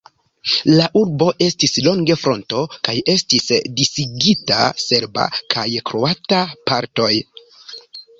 La urbo estis longe fronto kaj estis disigita serba kaj kroata partoj.